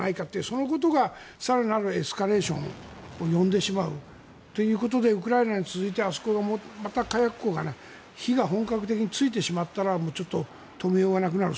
そのことが更なるエスカレーションを呼んでしまうということでウクライナに続いてまた火薬庫が火が本格的についてしまったらちょっと止めようがなくなる。